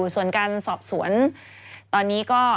ส่วนการสอบสวนตอนนี้ก็